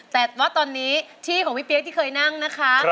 แต่ว่าตอนนี้ที่ของพี่เปี๊ยกที่เคยนั่งนะคะ